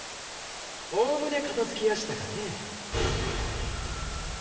おおむね片付きやしたかね。